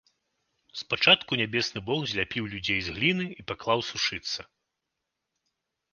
Спачатку нябесны бог зляпіў людзей з гліны і паклаў сушыцца.